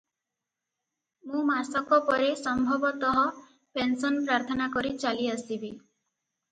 ମୁଁ ମାସକ ପରେ ସମ୍ଭବତଃ ପେନ୍ସନ୍ ପ୍ରାର୍ଥନା କରି ଚାଲିଆସିବି ।"